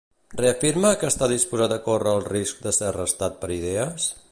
Reafirma que està disposat a córrer el risc de ser arrestat per idees?